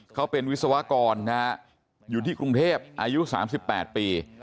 เขาเป็นวิศวกรอยู่ที่กรุงเทพอายุ๓๘ปี